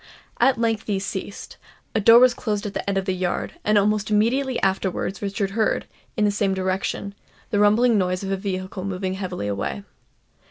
At length these ceased; a door was closed at the end of the yard; and almost immediately afterwards Richard heard, in the same direction, the rumbling noise of a vehicle moving heavily away.